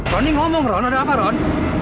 ron siapa lo ramadan